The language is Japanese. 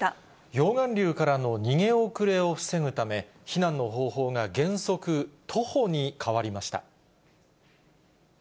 溶岩流からの逃げ遅れを防ぐため、避難の方法が原則徒歩に変わりました。